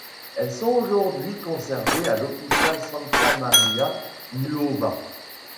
Elles sont aujourd'hui conservées à l'hôpital Santa Maria Nuova.